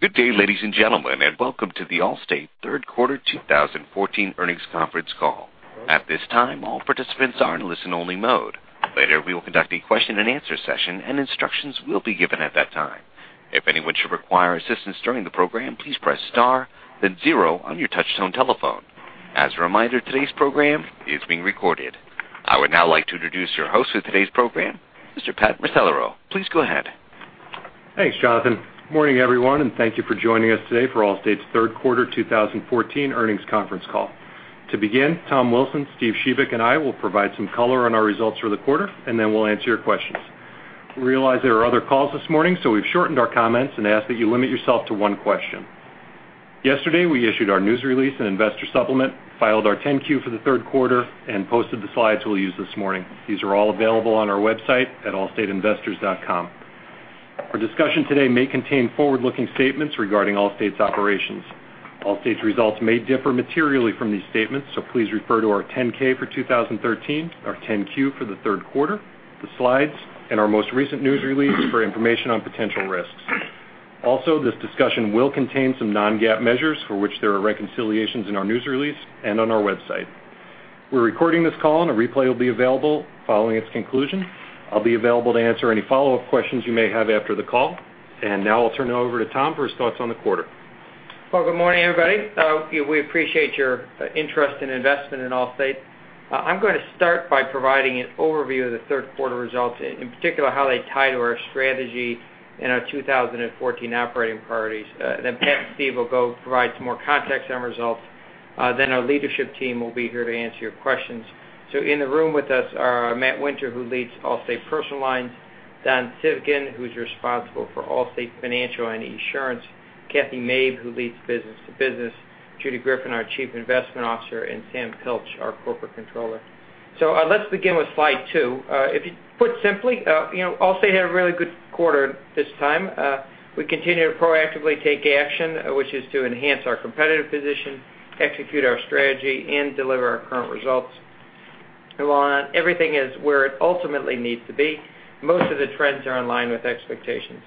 Good day, ladies and gentlemen. Welcome to the Allstate Third Quarter 2014 Earnings Conference Call. At this time, all participants are in listen only mode. Later, we will conduct a question and answer session and instructions will be given at that time. If anyone should require assistance during the program, please press star then zero on your touchtone telephone. As a reminder, today's program is being recorded. I would now like to introduce your host for today's program, Mr. Pat Macellaro. Please go ahead. Thanks, Jonathan. Morning, everyone. Thank you for joining us today for Allstate's Third Quarter 2014 Earnings Conference Call. To begin, Tom Wilson, Steven Shebik, and I will provide some color on our results for the quarter. Then we'll answer your questions. We realize there are other calls this morning, so we've shortened our comments and ask that you limit yourself to one question. Yesterday, we issued our news release and investor supplement, filed our 10-Q for the third quarter, and posted the slides we'll use this morning. These are all available on our website at allstateinvestors.com. Our discussion today may contain forward-looking statements regarding Allstate's operations. Allstate's results may differ materially from these statements, so please refer to our 10-K for 2013, our 10-Q for the third quarter, the slides, and our most recent news release for information on potential risks. Also, this discussion will contain some non-GAAP measures for which there are reconciliations in our news release and on our website. We're recording this call and a replay will be available following its conclusion. I'll be available to answer any follow-up questions you may have after the call. Now I'll turn it over to Tom for his thoughts on the quarter. Good morning, everybody. We appreciate your interest and investment in Allstate. I'm going to start by providing an overview of the third quarter results, in particular, how they tie to our strategy and our 2014 operating priorities. Pat and Steve will go provide some more context on results. Our leadership team will be here to answer your questions. In the room with us are Matt Winter, who leads Allstate Personal Lines, Don Civgin, who's responsible for Allstate Financial and Esurance, Kathy Mabe, who leads Business to Business, Judy Greffin, our Chief Investment Officer, and Sam Pilch, our Corporate Controller. Let's begin with slide two. Put simply, Allstate had a really good quarter this time. We continue to proactively take action, which is to enhance our competitive position, execute our strategy, and deliver our current results. While not everything is where it ultimately needs to be, most of the trends are in line with expectations.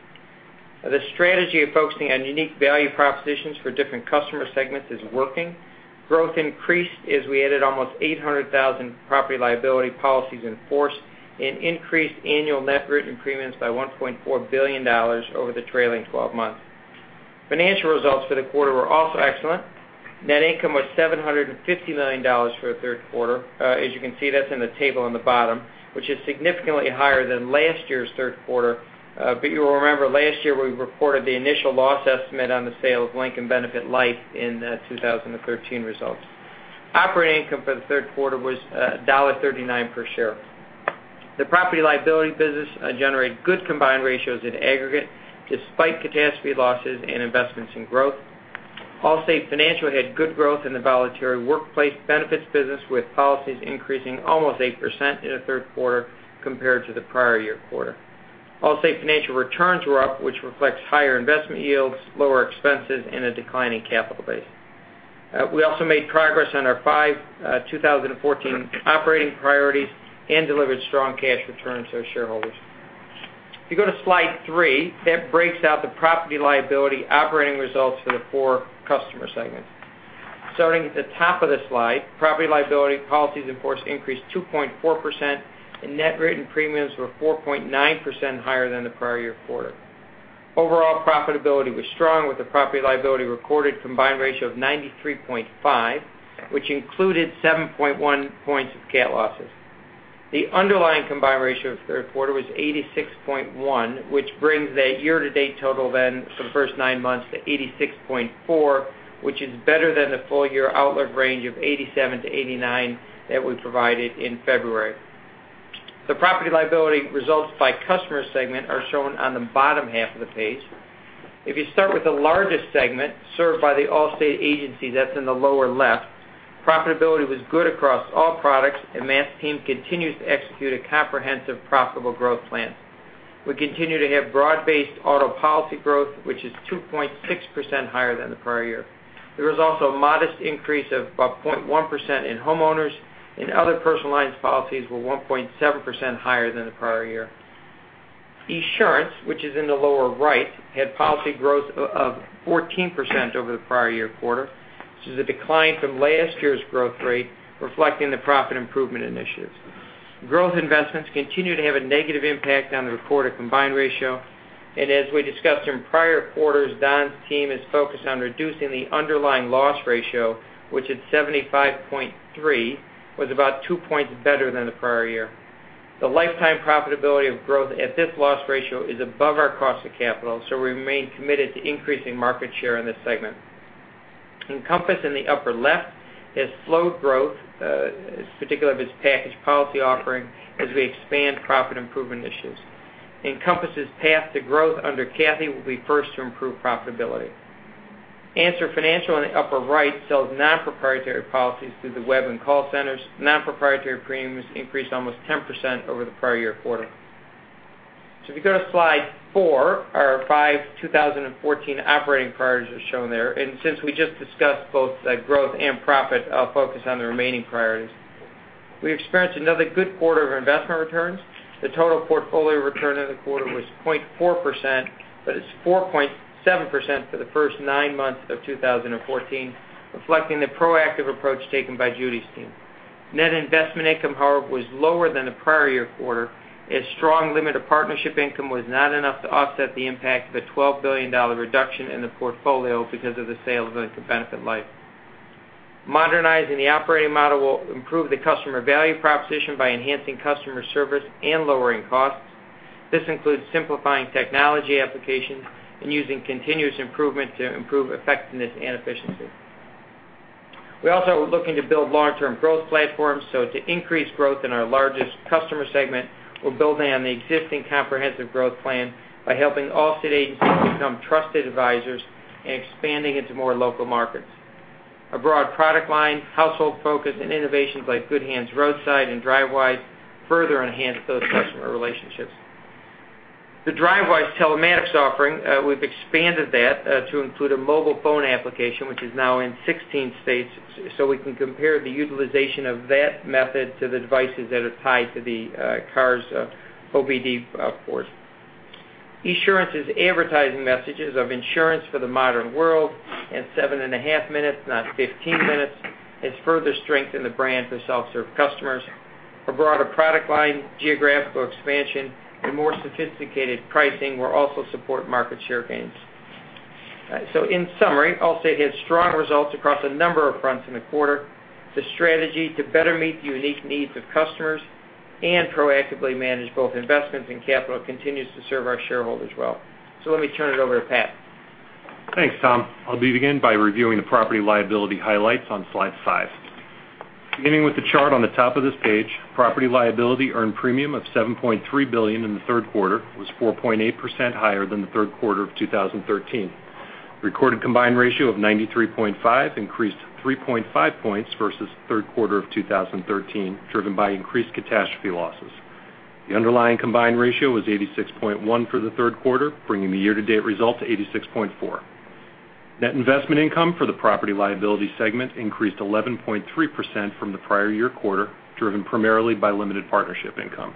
The strategy of focusing on unique value propositions for different customer segments is working. Growth increased as we added almost 800,000 property liability policies in force and increased annual net written premiums by $1.4 billion over the trailing 12 months. Financial results for the quarter were also excellent. Net income was $750 million for the third quarter, as you can see, that's in the table on the bottom, which is significantly higher than last year's third quarter. You will remember last year we reported the initial loss estimate on the sale of Lincoln Benefit Life in the 2013 results. Operating income for the third quarter was $1.39 per share. The property liability business generated good combined ratios in aggregate despite catastrophe losses and investments in growth. Allstate Financial had good growth in the voluntary workplace benefits business, with policies increasing almost 8% in the third quarter compared to the prior year quarter. Allstate Financial returns were up, which reflects higher investment yields, lower expenses, and a declining capital base. We also made progress on our five 2014 operating priorities and delivered strong cash returns to our shareholders. If you go to slide three, that breaks out the property liability operating results for the four customer segments. Starting at the top of the slide, property liability policies in force increased 2.4% and net written premiums were 4.9% higher than the prior year quarter. Overall profitability was strong, with the property liability recorded combined ratio of 93.5, which included 7.1 points of cat losses. The underlying combined ratio for the third quarter was 86.1, which brings the year-to-date total then for the first nine months to 86.4, which is better than the full-year outlook range of 87-89 that we provided in February. The property liability results by customer segment are shown on the bottom half of the page. If you start with the largest segment served by the Allstate agency that's in the lower left, profitability was good across all products, and Matt's team continues to execute a comprehensive profitable growth plan. We continue to have broad-based auto policy growth, which is 2.6% higher than the prior year. There was also a modest increase of about 0.1% in homeowners, and other personal lines policies were 1.7% higher than the prior year. Esurance, which is in the lower right, had policy growth of 14% over the prior year quarter. This is a decline from last year's growth rate, reflecting the profit improvement initiatives. Growth investments continue to have a negative impact on the recorded combined ratio. As we discussed in prior quarters, Don's team is focused on reducing the underlying loss ratio, which at 75.3 was about two points better than the prior year. The lifetime profitability of growth at this loss ratio is above our cost of capital, so we remain committed to increasing market share in this segment. Encompass in the upper left has slowed growth, particularly of its package policy offering, as we expand profit improvement initiatives. Encompass's path to growth under Kathy will be first to improve profitability. Answer Financial in the upper right sells non-proprietary policies through the web and call centers. Non-proprietary premiums increased almost 10% over the prior year quarter. If you go to slide four, our five 2014 operating priorities are shown there. Since we just discussed both growth and profit, I'll focus on the remaining priorities. We experienced another good quarter of investment returns. The total portfolio return of the quarter was 0.4%, but it's 4.7% for the first nine months of 2014, reflecting the proactive approach taken by Judy's team. Net investment income, however, was lower than the prior year quarter, as strong limited partnership income was not enough to offset the impact of a $12 billion reduction in the portfolio because of the sale of Lincoln Benefit Life. Modernizing the operating model will improve the customer value proposition by enhancing customer service and lowering costs. This includes simplifying technology applications and using continuous improvement to improve effectiveness and efficiency. We also are looking to build long-term growth platforms, to increase growth in our largest customer segment, we're building on the existing comprehensive growth plan by helping Allstate agencies become trusted advisors and expanding into more local markets. A broad product line, household focus, and innovations like Good Hands Rescue and Drivewise further enhance those customer relationships. The Drivewise telematics offering, we've expanded that to include a mobile phone application, which is now in 16 states, so we can compare the utilization of that method to the devices that are tied to the car's OBD port. Esurance's advertising messages of insurance for the modern world and seven and a half minutes, not 15 minutes, has further strengthened the brand for self-serve customers. A broader product line, geographical expansion, and more sophisticated pricing will also support market share gains. In summary, Allstate had strong results across a number of fronts in the quarter. The strategy to better meet the unique needs of customers and proactively manage both investments and capital continues to serve our shareholders well. Let me turn it over to Pat. Thanks, Tom. I'll begin by reviewing the property liability highlights on slide five. Beginning with the chart on the top of this page, property and liability earned premium of $7.3 billion in the third quarter was 4.8% higher than the third quarter of 2013. Recorded combined ratio of 93.5 increased 3.5 points versus the third quarter of 2013, driven by increased catastrophe losses. The underlying combined ratio was 86.1 for the third quarter, bringing the year-to-date result to 86.4. Net investment income for the property and liability segment increased 11.3% from the prior year quarter, driven primarily by limited partnership income.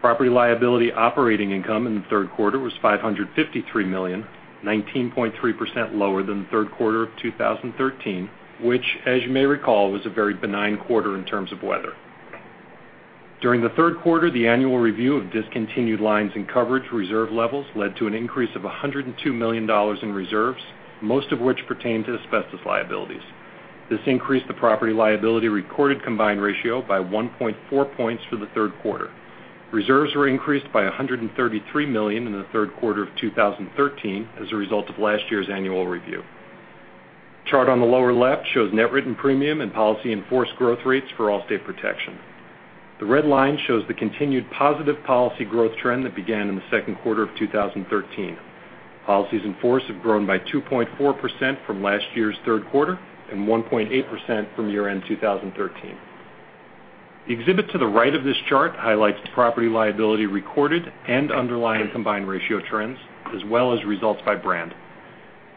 Property and liability operating income in the third quarter was $553 million, 19.3% lower than the third quarter of 2013, which, as you may recall, was a very benign quarter in terms of weather. During the third quarter, the annual review of discontinued lines and coverage reserve levels led to an increase of $102 million in reserves, most of which pertain to asbestos liabilities. This increased the property and liability recorded combined ratio by 1.4 points for the third quarter. Reserves were increased by $133 million in the third quarter of 2013 as a result of last year's annual review. The chart on the lower left shows net written premium and policy in force growth rates for Allstate Protection. The red line shows the continued positive policy growth trend that began in the second quarter of 2013. Policies in force have grown by 2.4% from last year's third quarter and 1.8% from year-end 2013. The exhibit to the right of this chart highlights property and liability recorded and underlying combined ratio trends, as well as results by brand.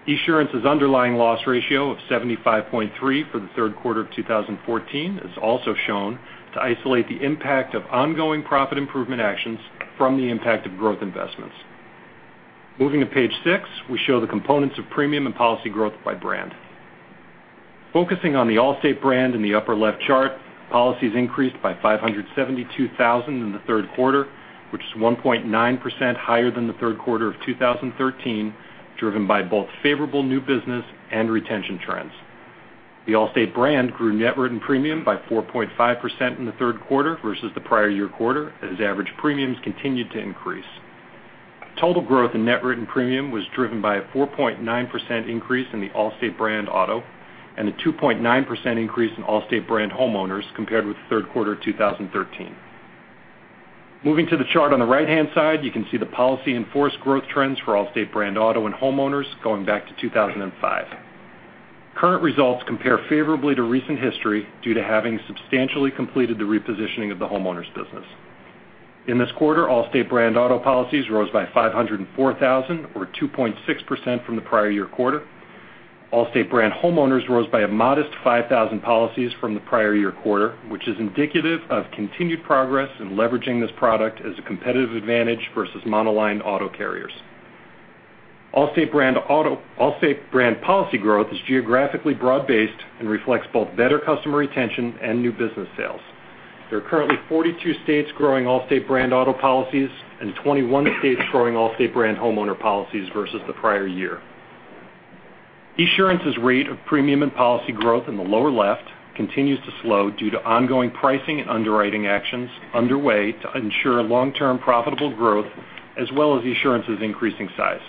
Esurance's underlying loss ratio of 75.3 for the third quarter of 2014 is also shown to isolate the impact of ongoing profit improvement actions from the impact of growth investments. Moving to page six, we show the components of premium and policy growth by brand. Focusing on the Allstate brand in the upper left chart, policies increased by 572,000 in the third quarter, which is 1.9% higher than the third quarter of 2013, driven by both favorable new business and retention trends. The Allstate brand grew net written premium by 4.5% in the third quarter versus the prior year quarter, as average premiums continued to increase. Total growth in net written premium was driven by a 4.9% increase in the Allstate brand auto and a 2.9% increase in Allstate brand homeowners compared with the third quarter of 2013. Moving to the chart on the right-hand side, you can see the policy in force growth trends for Allstate brand auto and homeowners going back to 2005. Current results compare favorably to recent history due to having substantially completed the repositioning of the homeowners business. In this quarter, Allstate brand auto policies rose by 504,000, or 2.6% from the prior year quarter. Allstate brand homeowners rose by a modest 5,000 policies from the prior year quarter, which is indicative of continued progress in leveraging this product as a competitive advantage versus monoline auto carriers. Allstate brand policy growth is geographically broad-based and reflects both better customer retention and new business sales. There are currently 42 states growing Allstate brand auto policies and 21 states growing Allstate brand homeowner policies versus the prior year. Esurance's rate of premium and policy growth in the lower left continues to slow due to ongoing pricing and underwriting actions underway to ensure long-term profitable growth, as well as Esurance's increasing size.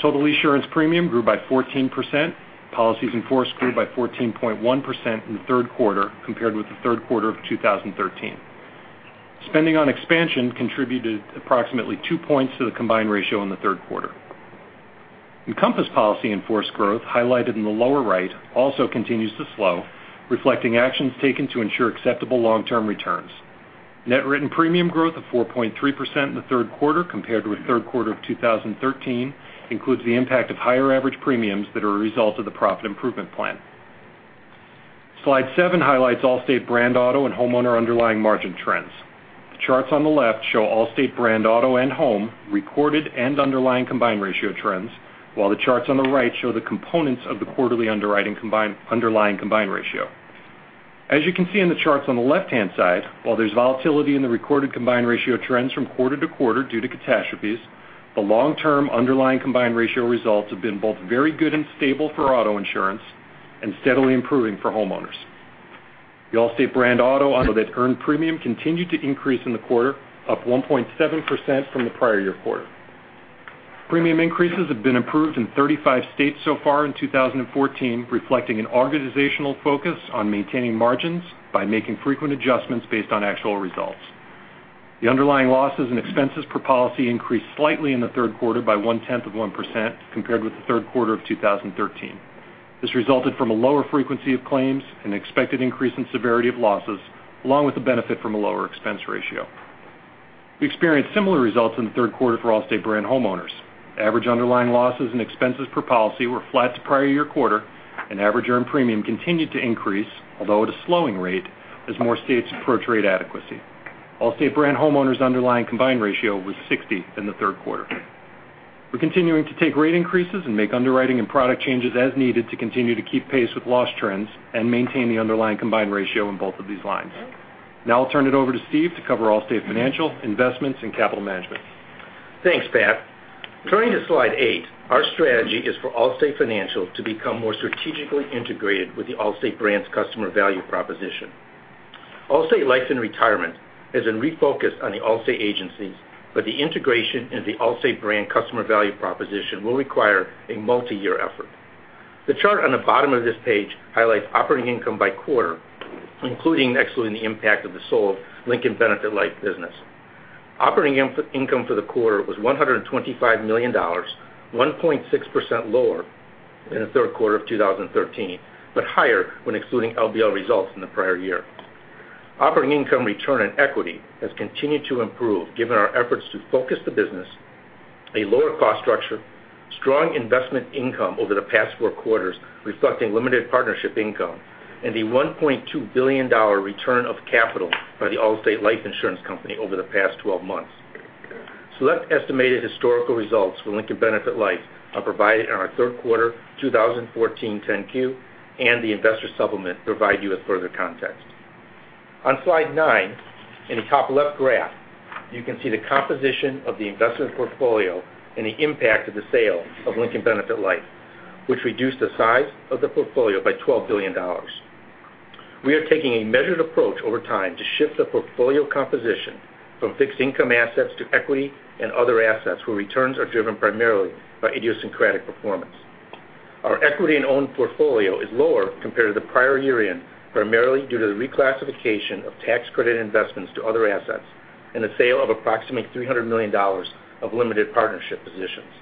Total Esurance premium grew by 14%. Policies in force grew by 14.1% in the third quarter compared with the third quarter of 2013. Spending on expansion contributed approximately two points to the combined ratio in the third quarter. Encompass policy in force growth, highlighted in the lower right, also continues to slow, reflecting actions taken to ensure acceptable long-term returns. Net written premium growth of 4.3% in the third quarter compared with third quarter of 2013 includes the impact of higher average premiums that are a result of the profit improvement plan. Slide seven highlights Allstate brand auto and homeowner underlying margin trends. The charts on the left show Allstate brand auto and home recorded and underlying combined ratio trends, while the charts on the right show the components of the quarterly underwriting underlying combined ratio. As you can see in the charts on the left-hand side, while there's volatility in the recorded combined ratio trends from quarter to quarter due to catastrophes, the long-term underlying combined ratio results have been both very good and stable for auto insurance and steadily improving for homeowners. The Allstate brand auto unearned premium continued to increase in the quarter, up 1.7% from the prior year quarter. Premium increases have been approved in 35 states so far in 2014, reflecting an organizational focus on maintaining margins by making frequent adjustments based on actual results. The underlying losses and expenses per policy increased slightly in the third quarter by one-tenth of 1% compared with the third quarter of 2013. This resulted from a lower frequency of claims, an expected increase in severity of losses, along with the benefit from a lower expense ratio. We experienced similar results in the third quarter for Allstate brand homeowners. Average underlying losses and expenses per policy were flat to prior year quarter, and average earned premium continued to increase, although at a slowing rate, as more states approach rate adequacy. Allstate brand homeowners' underlying combined ratio was 60 in the third quarter. We're continuing to take rate increases and make underwriting and product changes as needed to continue to keep pace with loss trends and maintain the underlying combined ratio in both of these lines. Now I'll turn it over to Steve to cover Allstate Financial, Investments and Capital Management. Thanks, Pat. Turning to slide eight, our strategy is for Allstate Financial to become more strategically integrated with the Allstate brand's customer value proposition. Allstate Life and Retirement has been refocused on the Allstate agencies, but the integration into the Allstate brand customer value proposition will require a multi-year effort. The chart on the bottom of this page highlights operating income by quarter, including excluding the impact of the sold Lincoln Benefit Life business. Operating income for the quarter was $125 million, 1.6% lower than the third quarter of 2013, but higher when excluding LBL results in the prior year. Operating income return on equity has continued to improve, given our efforts to focus the business, a lower cost structure, strong investment income over the past four quarters, reflecting limited partnership income, and the $1.2 billion return of capital by the Allstate Life Insurance Company over the past 12 months. Select estimated historical results for Lincoln Benefit Life are provided in our third quarter 2014 10-Q. The investor supplement provide you with further context. On slide nine, in the top left graph, you can see the composition of the investment portfolio and the impact of the sale of Lincoln Benefit Life, which reduced the size of the portfolio by $12 billion. We are taking a measured approach over time to shift the portfolio composition from fixed income assets to equity and other assets, where returns are driven primarily by idiosyncratic performance. Our equity and owned portfolio is lower compared to the prior year, primarily due to the reclassification of tax credit investments to other assets and the sale of approximately $300 million of limited partnership positions.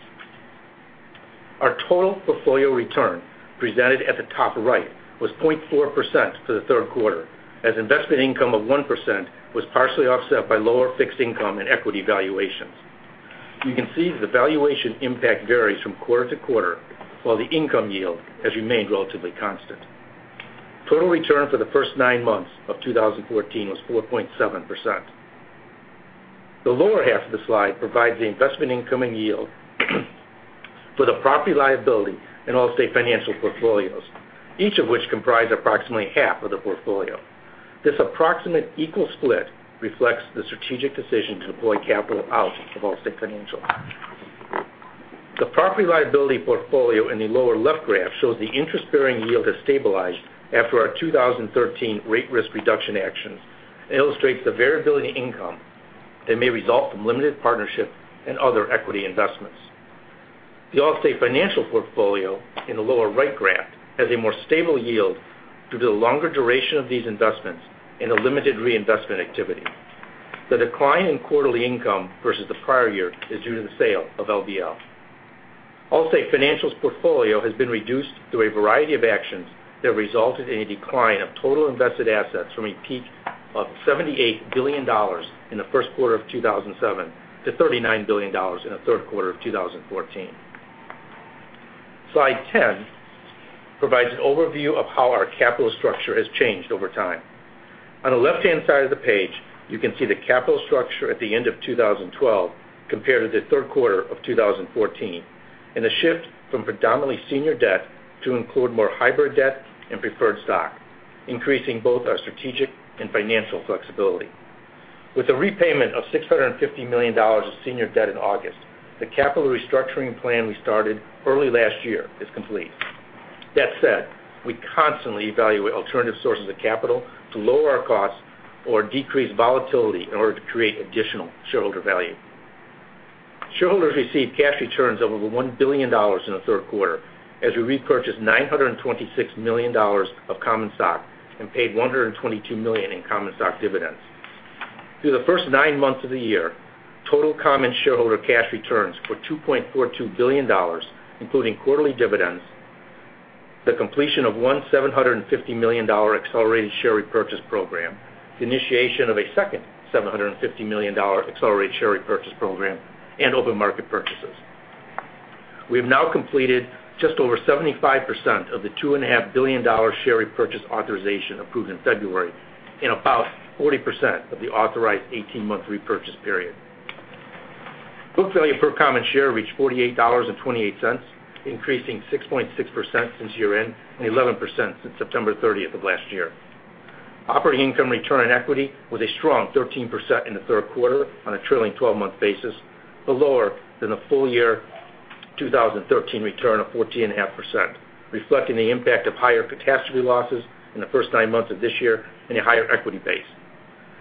Our total portfolio return, presented at the top right, was 0.4% for the third quarter, as investment income of 1% was partially offset by lower fixed income and equity valuations. You can see the valuation impact varies from quarter to quarter, while the income yield has remained relatively constant. Total return for the first nine months of 2014 was 4.7%. The lower half of the slide provides the investment income and yield for the property-liability and Allstate Financial portfolios, each of which comprise approximately half of the portfolio. This approximate equal split reflects the strategic decision to deploy capital out of Allstate Financial. The property-liability portfolio in the lower left graph shows the interest-bearing yield has stabilized after our 2013 rate risk reduction actions. It illustrates the variability in income that may result from limited partnership and other equity investments. The Allstate Financial portfolio in the lower right graph has a more stable yield due to the longer duration of these investments and the limited reinvestment activity. The decline in quarterly income versus the prior year is due to the sale of LBL. Allstate Financial's portfolio has been reduced through a variety of actions that resulted in a decline of total invested assets from a peak of $78 billion in the first quarter of 2007 to $39 billion in the third quarter of 2014. Slide 10 provides an overview of how our capital structure has changed over time. On the left-hand side of the page, you can see the capital structure at the end of 2012 compared to the third quarter of 2014. A shift from predominantly senior debt to include more hybrid debt and preferred stock, increasing both our strategic and financial flexibility. With the repayment of $650 million of senior debt in August, the capital restructuring plan we started early last year is complete. That said, we constantly evaluate alternative sources of capital to lower our costs or decrease volatility in order to create additional shareholder value. Shareholders received cash returns over $1 billion in the third quarter, as we repurchased $926 million of common stock and paid $122 million in common stock dividends. Through the first nine months of the year, total common shareholder cash returns were $2.42 billion, including quarterly dividends The completion of one $750 million accelerated share repurchase program, the initiation of a second $750 million accelerated share repurchase program, open market purchases. We have now completed just over 75% of the $2.5 billion share repurchase authorization approved in February, in about 40% of the authorized 18-month repurchase period. Book value per common share reached $48.28, increasing 6.6% since year-end and 11% since September 30th of last year. Operating income return on equity was a strong 13% in the third quarter on a trailing 12-month basis, but lower than the full year 2013 return of 14.5%, reflecting the impact of higher catastrophe losses in the first nine months of this year and a higher equity base.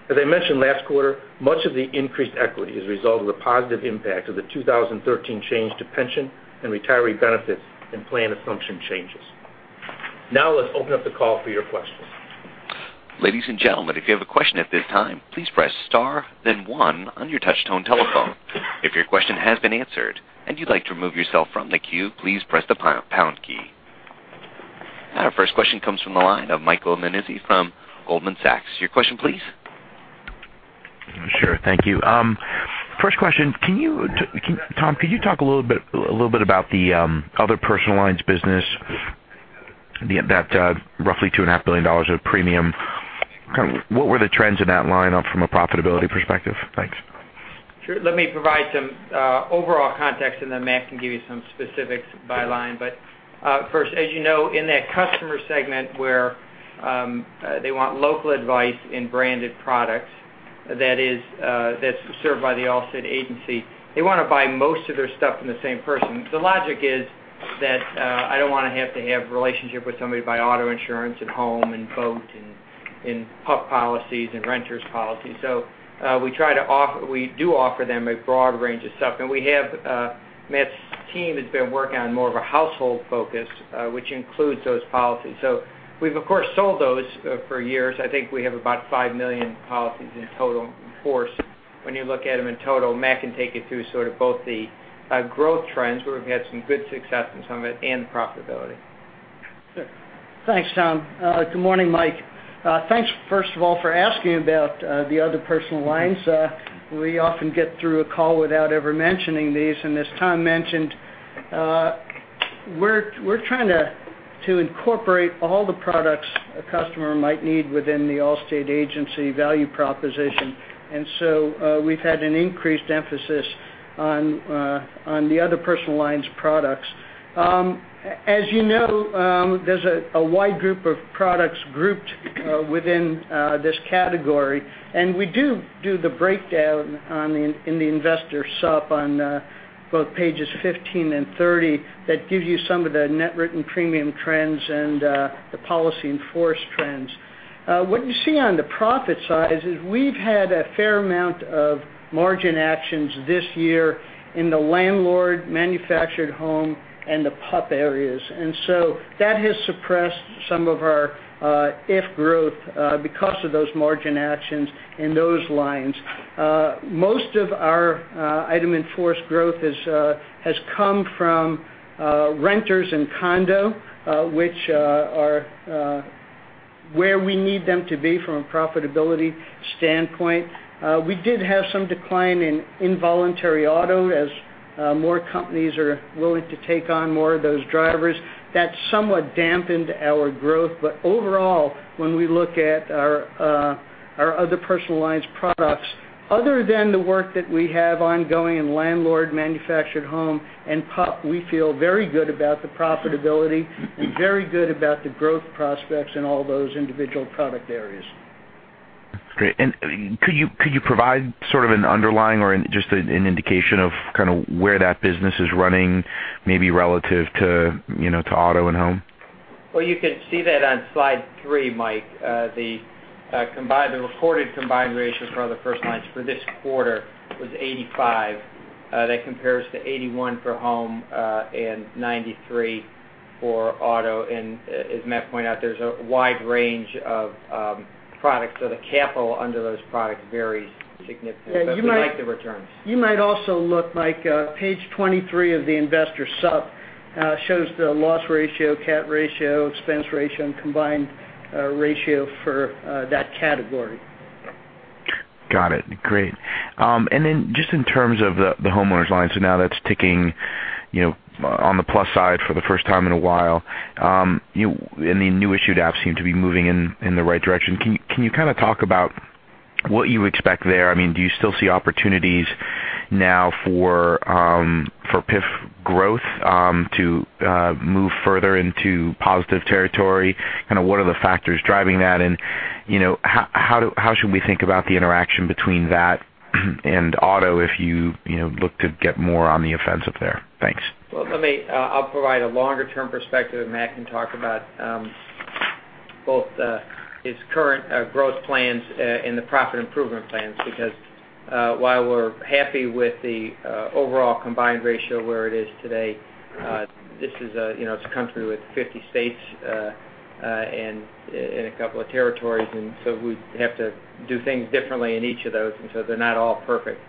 As I mentioned last quarter, much of the increased equity is a result of the positive impact of the 2013 change to pension and retiree benefits and plan assumption changes. Now let's open up the call for your questions. Ladies and gentlemen, if you have a question at this time, please press star then one on your touchtone telephone. If your question has been answered and you'd like to remove yourself from the queue, please press the pound key. Our first question comes from the line of Michael Nannizzi from Goldman Sachs. Your question, please. Sure. Thank you. First question, Tom, could you talk a little bit about the other personal lines business, that roughly $2.5 billion of premium? What were the trends in that line up from a profitability perspective? Thanks. Sure. Let me provide some overall context and then Matt can give you some specifics by line. First, as you know, in that customer segment where they want local advice in branded products that's served by the Allstate agency, they want to buy most of their stuff from the same person. The logic is that I don't want to have to have relationship with somebody to buy auto insurance and home and boat and PUP policies and renters policies. We do offer them a broad range of stuff. Matt's team has been working on more of a household focus, which includes those policies. We've, of course, sold those for years. I think we have about 5 million policies in total in force when you look at them in total. Matt can take you through both the growth trends, where we've had some good success in some of it, and profitability. Sure. Thanks, Tom. Good morning, Mike. Thanks, first of all, for asking about the other personal lines. We often get through a call without ever mentioning these, and as Tom mentioned, we're trying to incorporate all the products a customer might need within the Allstate agency value proposition. We've had an increased emphasis on the other personal lines products. As you know, there's a wide group of products grouped within this category, and we do the breakdown in the investor sup on both pages 15 and 30 that gives you some of the net written premium trends and the policy in force trends. What you see on the profit side is we've had a fair amount of margin actions this year in the landlord, manufactured home, and the PUP areas. That has suppressed some of our in-force growth because of those margin actions in those lines. Most of our in-force growth has come from renters and condo, which are where we need them to be from a profitability standpoint. We did have some decline in involuntary auto as more companies are willing to take on more of those drivers. That somewhat dampened our growth. Overall, when we look at our other personal lines products, other than the work that we have ongoing in landlord, manufactured home, and PUP, we feel very good about the profitability and very good about the growth prospects in all those individual product areas. Great. Could you provide sort of an underlying or just an indication of kind of where that business is running, maybe relative to auto and home? Well, you can see that on slide three, Mike. The recorded combined ratio for other personal lines for this quarter was 85. That compares to 81 for home and 93 for auto. As Matt pointed out, there's a wide range of products, so the capital under those products varies significantly, but we like the returns. You might also look, Mike, page 23 of the investor sup shows the loss ratio, cat ratio, expense ratio, and combined ratio for that category. Got it. Great. Then just in terms of the homeowners line, so now that's ticking on the plus side for the first time in a while. The new issued apps seem to be moving in the right direction. Can you kind of talk about what you expect there? Do you still see opportunities now for PIF growth to move further into positive territory? Kind of what are the factors driving that? How should we think about the interaction between that and auto if you look to get more on the offensive there? Thanks. Well, I'll provide a longer-term perspective, and Matt can talk about both his current growth plans and the profit improvement plans. Because while we're happy with the overall combined ratio where it is today, it's a country with 50 states and a couple of territories, so we have to do things differently in each of those, so they're not all perfect.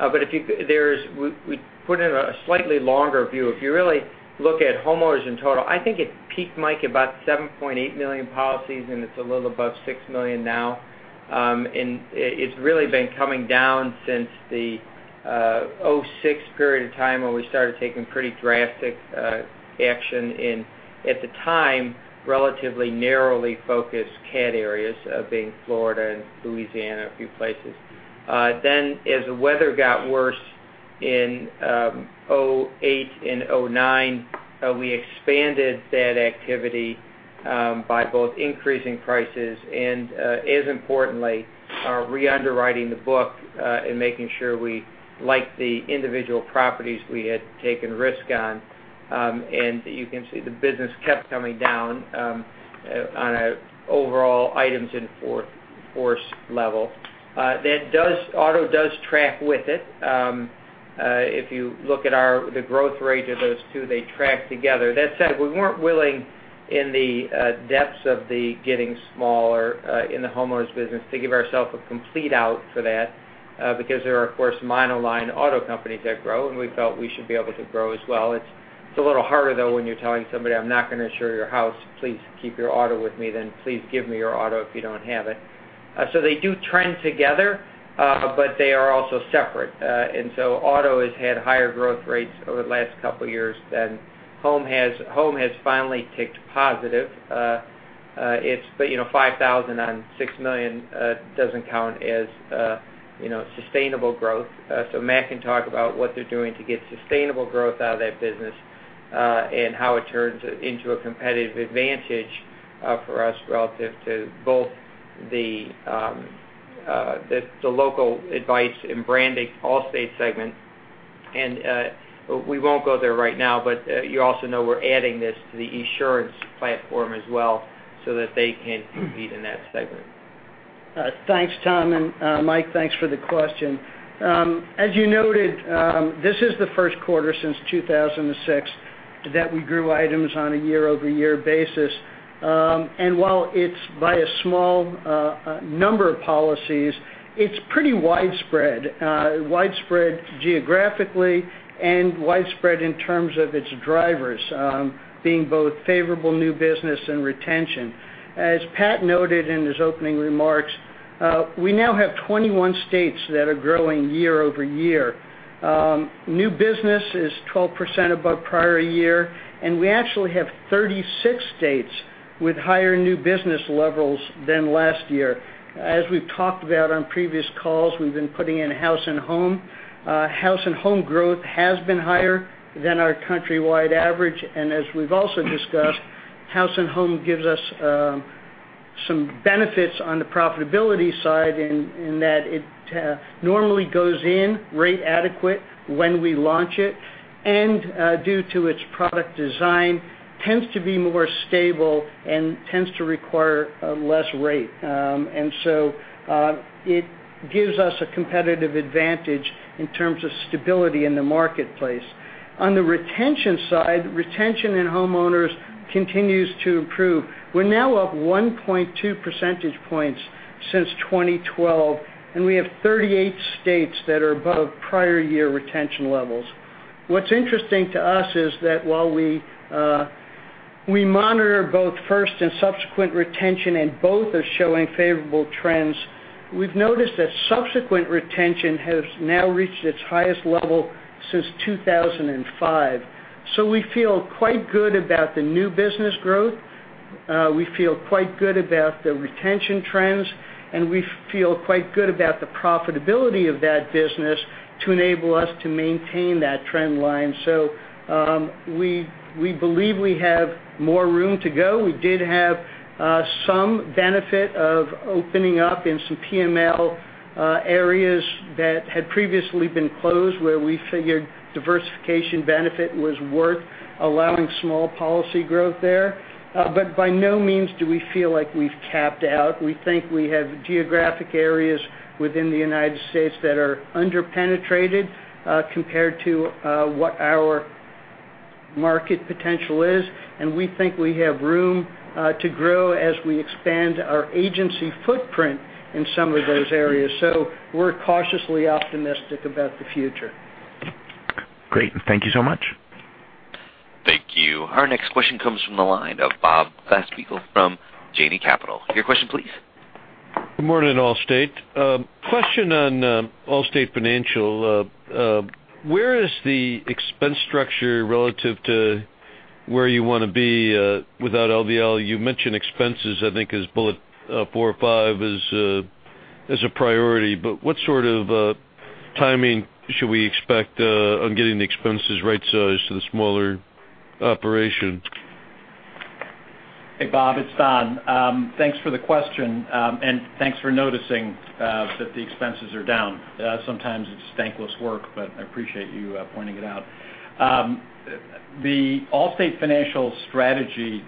We put in a slightly longer view. If you really look at homeowners in total, I think it peaked, Mike, about 7.8 million policies, and it's a little above 6 million now. It's really been coming down since the 2006 period of time when we started taking pretty drastic action in, at the time, relatively narrowly focused cat areas, being Florida and Louisiana, a few places. As the weather got worse in 2008 and 2009, we expanded that activity by both increasing prices and, as importantly, re-underwriting the book and making sure we liked the individual properties we had taken risk on. You can see the business kept coming down on an overall items in force level. Auto does track with it. If you look at the growth rate of those two, they track together. That said, we weren't willing, in the depths of the getting smaller in the homeowners business, to give ourselves a complete out for that because there are, of course, mono line auto companies that grow, and we felt we should be able to grow as well. It's a little harder, though, when you're telling somebody, "I'm not going to insure your house. Please keep your auto with me," than, "Please give me your auto if you don't have it." They do trend together, but they are also separate. Auto has had higher growth rates over the last couple of years than home has. Home has finally ticked positive. 5,000 on 6 million doesn't count as sustainable growth. Matt can talk about what they're doing to get sustainable growth out of that business and how it turns into a competitive advantage for us relative to both the local advice and branding Allstate segment. We won't go there right now, but you also know we're adding this to the Esurance platform as well so that they can compete in that segment. Thanks, Tom. Mike, thanks for the question. As you noted, this is the first quarter since 2006 that we grew items on a year-over-year basis. While it's by a small number of policies, it's pretty widespread. Widespread geographically and widespread in terms of its drivers being both favorable new business and retention. As Pat noted in his opening remarks, we now have 21 states that are growing year-over-year. New business is 12% above prior year, and we actually have 36 states with higher new business levels than last year. As we've talked about on previous calls, we've been putting in House and Home. House and Home growth has been higher than our countrywide average, and as we've also discussed, House and Home gives us some benefits on the profitability side in that it normally goes in rate adequate when we launch it. Due to its product design, tends to be more stable and tends to require less rate. It gives us a competitive advantage in terms of stability in the marketplace. On the retention side, retention in homeowners continues to improve. We're now up 1.2 percentage points since 2012, and we have 38 states that are above prior year retention levels. What's interesting to us is that while we monitor both first and subsequent retention, and both are showing favorable trends, we've noticed that subsequent retention has now reached its highest level since 2005. We feel quite good about the new business growth, we feel quite good about the retention trends, and we feel quite good about the profitability of that business to enable us to maintain that trend line. We believe we have more room to go. We did have some benefit of opening up in some PML areas that had previously been closed, where we figured diversification benefit was worth allowing small policy growth there. By no means do we feel like we've tapped out. We think we have geographic areas within the United States that are under-penetrated compared to what our market potential is, and we think we have room to grow as we expand our agency footprint in some of those areas. We're cautiously optimistic about the future. Great. Thank you so much. Thank you. Our next question comes from the line of Bob Glasspiegel from Janney Capital. Your question please. Good morning, Allstate. Question on Allstate Financial. Where is the expense structure relative to where you want to be without LBL? You mentioned expenses, I think as bullet four or five, as a priority. What sort of timing should we expect on getting the expenses right-sized to the smaller operation? Hey, Bob, it's Don. Thanks for the question, thanks for noticing that the expenses are down. Sometimes it's thankless work, I appreciate you pointing it out. The Allstate Financial strategy,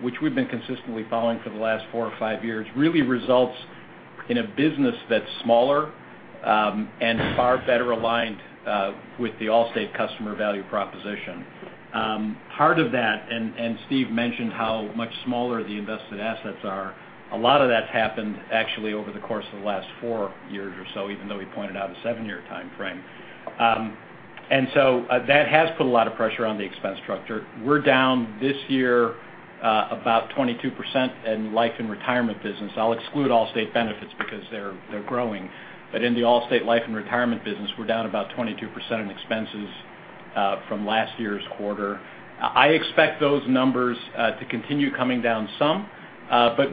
which we've been consistently following for the last four or five years, really results in a business that's smaller and far better aligned with the Allstate customer value proposition. Part of that, Steve mentioned how much smaller the invested assets are, a lot of that's happened actually over the course of the last four years or so, even though he pointed out a seven-year time frame. That has put a lot of pressure on the expense structure. We're down this year about 22% in Life and Retirement business. I'll exclude Allstate Benefits because they're growing. In the Allstate Life and Retirement business, we're down about 22% in expenses from last year's quarter. I expect those numbers to continue coming down some,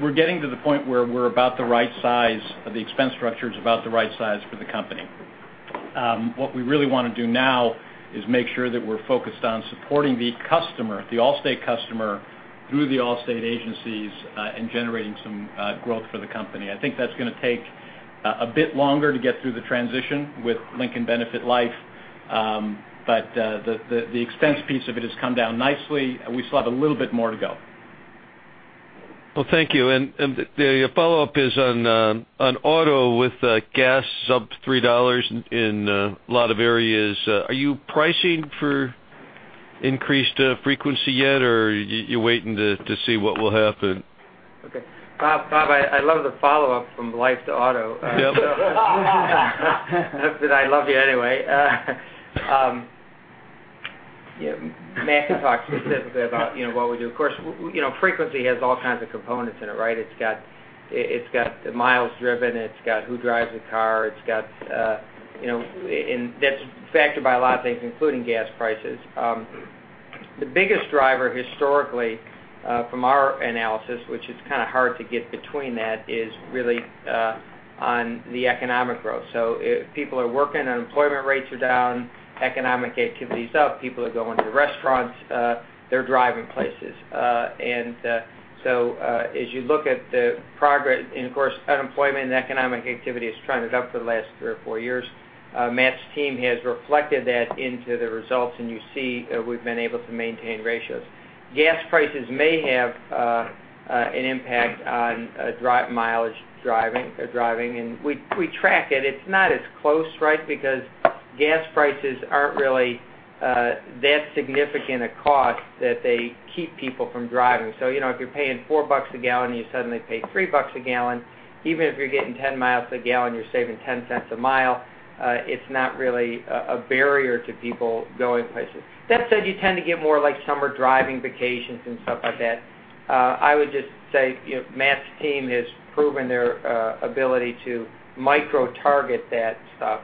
we're getting to the point where we're about the right size, or the expense structure is about the right size for the company. What we really want to do now is make sure that we're focused on supporting the customer, the Allstate customer, through the Allstate agencies, generating some growth for the company. I think that's going to take a bit longer to get through the transition with Lincoln Benefit Life. The expense piece of it has come down nicely. We still have a little bit more to go. Well, thank you. The follow-up is on auto with gas up $3 in a lot of areas. Are you pricing for increased frequency yet, you're waiting to see what will happen? Okay. Bob, I love the follow-up from life to auto. Yep. I love you anyway. Yeah. Matt can talk specifically about what we do. Of course, frequency has all kinds of components in it, right? It's got the miles driven, it's got who drives the car. That's factored by a lot of things, including gas prices. The biggest driver historically, from our analysis, which is kind of hard to get between that, is really on the economic growth. If people are working, unemployment rates are down, economic activity is up, people are going to restaurants, they're driving places. As you look at the progress, and of course, unemployment and economic activity has trended up for the last three or four years, Matt's team has reflected that into the results, and you see we've been able to maintain ratios. Gas prices may have an impact on mileage driving. We track it. It's not as close, right? Because gas prices aren't really that significant a cost that they keep people from driving. If you're paying four bucks a gallon and you suddenly pay three bucks a gallon, even if you're getting 10 miles to the gallon, you're saving $0.10 a mile. It's not really a barrier to people going places. That said, you tend to get more summer driving vacations and stuff like that. I would just say, Matt's team has proven their ability to micro-target that stuff,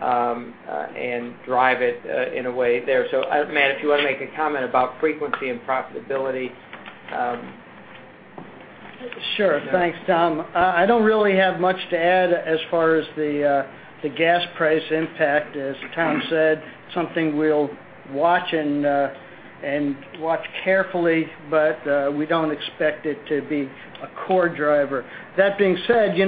and drive it in a way there. Matt, if you want to make a comment about frequency and profitability. Sure. Thanks, Tom. I don't really have much to add as far as the gas price impact. As Tom said, something we'll watch and watch carefully, but we don't expect it to be a core driver. That being said,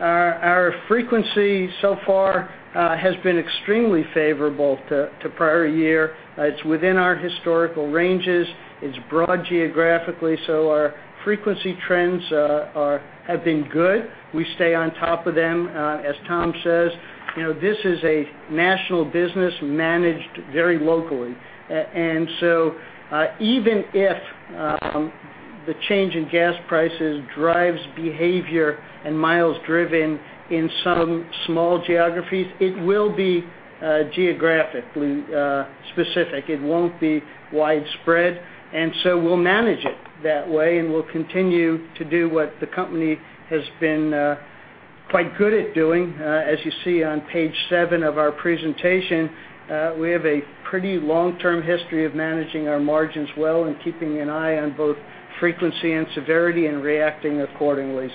our frequency so far has been extremely favorable to prior year. It's within our historical ranges. It's broad geographically, so our frequency trends have been good. We stay on top of them. As Tom says, this is a national business managed very locally. Even if the change in gas prices drives behavior and miles driven in some small geographies, it will be geographically specific. It won't be widespread. We'll manage it that way, and we'll continue to do what the company has been quite good at doing. As you see on page seven of our presentation, we have a pretty long-term history of managing our margins well and keeping an eye on both frequency and severity and reacting accordingly.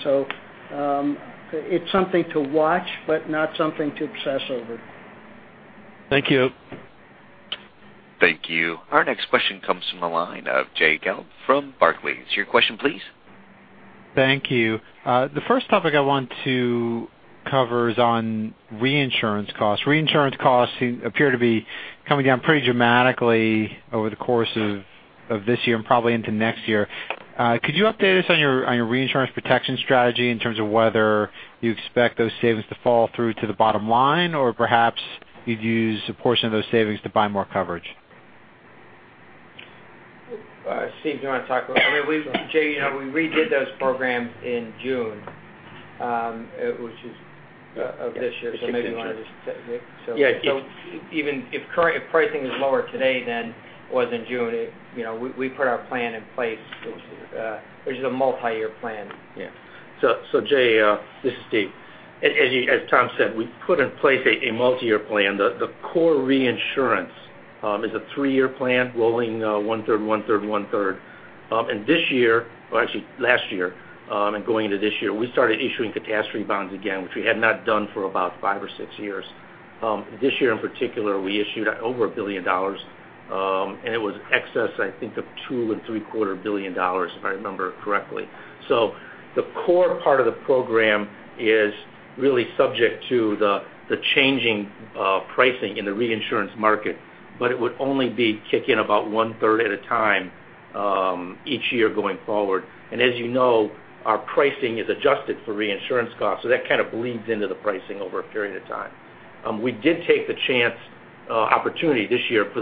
It's something to watch, but not something to obsess over. Thank you. Thank you. Our next question comes from the line of Jay Gelb from Barclays. Your question, please. Thank you. The first topic I want to cover is on reinsurance costs. Reinsurance costs appear to be coming down pretty dramatically over the course of this year and probably into next year. Could you update us on your reinsurance protection strategy in terms of whether you expect those savings to fall through to the bottom line, or perhaps you'd use a portion of those savings to buy more coverage? Steve, do you want to talk about it? Jay, we redid those programs in June of this year. Yes. Maybe you want to just take it. Yeah. If pricing is lower today than it was in June, we put our plan in place, which is a multi-year plan. Yeah. Jay, this is Steve. As Tom said, we put in place a multi-year plan. The core reinsurance is a three-year plan rolling one-third, one-third, one-third. This year or actually last year, and going into this year, we started issuing catastrophe bonds again, which we had not done for about five or six years. This year in particular, we issued over $1 billion, and it was excess, I think, of $2.75 billion, if I remember correctly. The core part of the program is really subject to the changing pricing in the reinsurance market, but it would only be kicking about one-third at a time each year going forward. As you know, our pricing is adjusted for reinsurance costs, so that kind of bleeds into the pricing over a period of time. We did take the chance opportunity this year with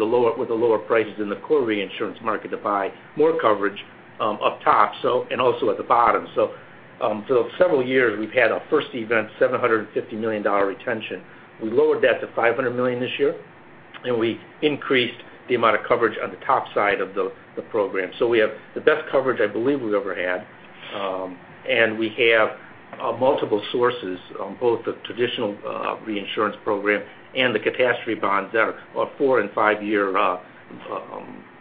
the lower prices in the core reinsurance market to buy more coverage up top and also at the bottom. For several years, we've had our first event, $750 million retention. We lowered that to $500 million this year. We increased the amount of coverage on the top side of the program. We have the best coverage, I believe, we've ever had. We have multiple sources on both the traditional reinsurance program and the catastrophe bonds that are 4 and 5-year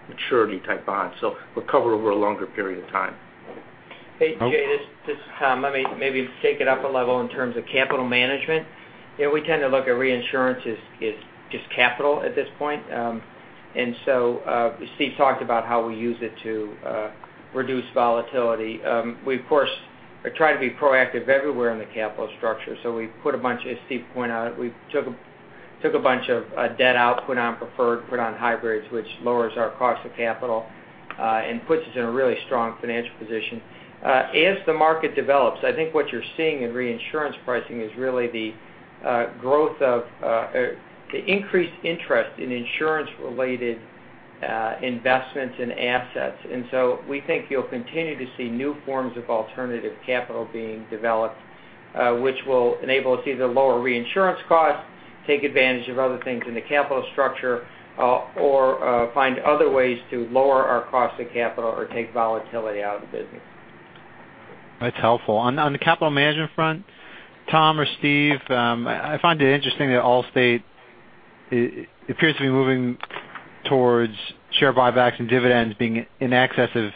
maturity type bonds. We're covered over a longer period of time. Hey, Jay, this is Tom. Let me maybe take it up a level in terms of capital management. We tend to look at reinsurance as just capital at this point. Steve talked about how we use it to reduce volatility. We, of course, try to be proactive everywhere in the capital structure. We put a bunch, as Steve pointed out, we took a bunch of debt out, put on preferred, put on hybrids, which lowers our cost of capital, and puts us in a really strong financial position. As the market develops, I think what you're seeing in reinsurance pricing is really the increased interest in insurance-related investments and assets. We think you'll continue to see new forms of alternative capital being developed, which will enable us to either lower reinsurance costs, take advantage of other things in the capital structure or find other ways to lower our cost of capital or take volatility out of the business. That's helpful. On the capital management front, Tom or Steve, I find it interesting that Allstate appears to be moving towards share buybacks and dividends being in excess of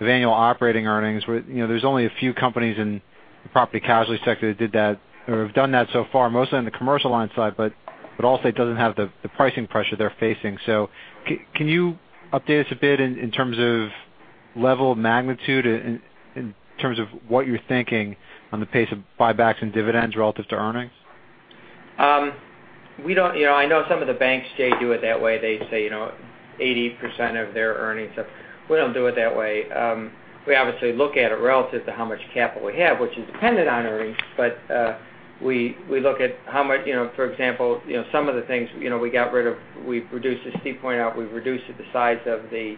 annual operating earnings. There's only a few companies in the property casualty sector that did that or have done that so far, mostly on the commercial line side, but Allstate doesn't have the pricing pressure they're facing. Can you update us a bit in terms of level of magnitude, in terms of what you're thinking on the pace of buybacks and dividends relative to earnings? I know some of the banks, Jay, do it that way. They say 80% of their earnings. We don't do it that way. We obviously look at it relative to how much capital we have, which is dependent on earnings, but we look at how much, for example, some of the things we got rid of. As Steve pointed out, we've reduced the size of the